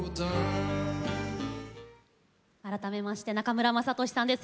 改めまして中村雅俊さんです。